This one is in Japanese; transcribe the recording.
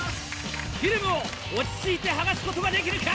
フィルムを落ち着いて剥がすことができるか？